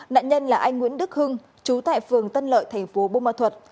nạn nhân là anh nguyễn đức hưng trú tại phường tân lợi tp bô ma thuật